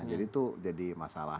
jadi itu jadi masalah